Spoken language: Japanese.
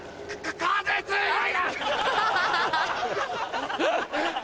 か風強い。